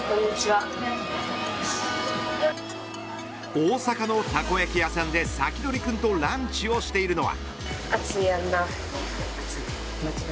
大阪のたこ焼き屋さんでサキドリくんとランチをしているのは。